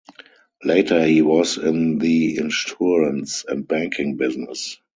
Later, he was in the insurance and banking business.